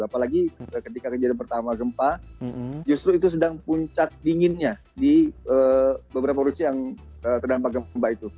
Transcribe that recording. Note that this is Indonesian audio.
apalagi ketika kejadian pertama gempa justru itu sedang puncak dinginnya di beberapa produksi yang terdampak gempa itu